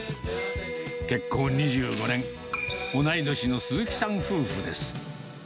結婚２５年、同い年の鈴木さん夫婦です。